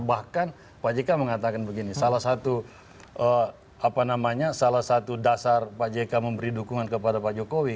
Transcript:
bahkan pak jk mengatakan begini salah satu apa namanya salah satu dasar pak jk memberi dukungan kepada pak jokowi